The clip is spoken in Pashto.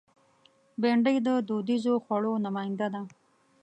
بېنډۍ د دودیزو خوړو نماینده ده